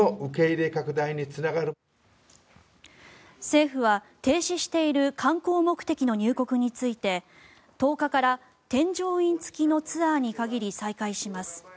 政府は停止している観光目的の入国について１０日から添乗員付きのツアーに限り再開します。